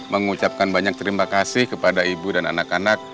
mengucapkan banyak terima kasih kepada ibu dan anak anak